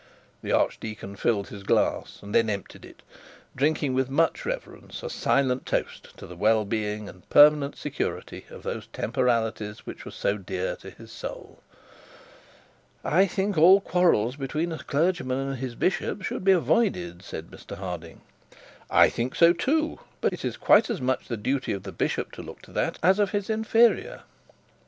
The archdeacon filled his glass and then emptied it, drinking with much reverence a silent toast to the well being and permanent security of those temporalities which were so dear to his soul. 'I think all quarrels between a clergyman and his bishop should be avoided,' said Mr Harding. 'I think so too; but it is quite as much the duty of the bishop to look to that as of his inferior.